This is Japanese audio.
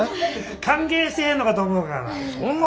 歓迎してへんのかと思うがな。